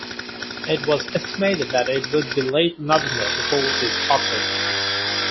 It was estimated that it would be late-November before this occurred.